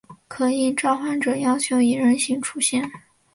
可应召唤者要求以人形出现。